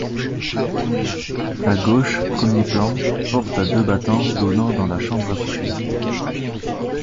A gauche, premier plan, porte à deux battants donnant dans la chambre à coucher.